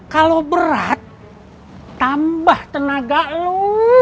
kalau berat tambah tenaga lo